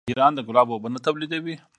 آیا ایران د ګلابو اوبه نه تولیدوي؟